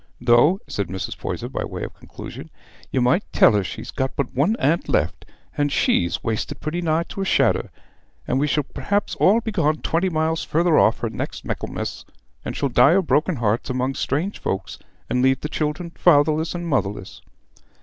"Though," said Mrs. Poyser, by way of conclusion, "you might tell her she's got but one aunt left, and she's wasted pretty nigh to a shadder; and we shall p'rhaps all be gone twenty mile farther off her next Michaelmas, and shall die o' broken hearts among strange folks, and leave the children fatherless and motherless."